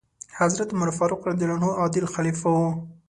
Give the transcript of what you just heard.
حضرت عمر فاروق رض عادل خلیفه و.